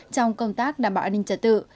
trong công tác đảm bảo an ninh trật tự